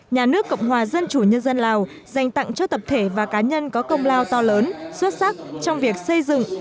nhà nước cộng hòa dân chủ nhân dân lào dành tặng cho tập thể và cá nhân có công lao to lớn xuất sắc trong việc xây dựng